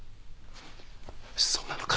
そうなのか？